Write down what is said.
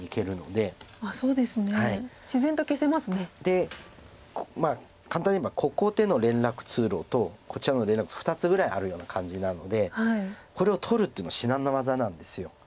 で簡単にいえばここでの連絡通路とこちらの連絡通路２つぐらいあるような感じなのでこれを取るっていうのは至難の業なんです。